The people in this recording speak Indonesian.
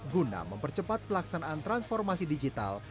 guna mempercepat pelaksanaan transformasi digital